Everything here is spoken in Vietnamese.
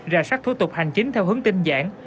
ra sắc thủ tục hành chính theo hướng tin giảng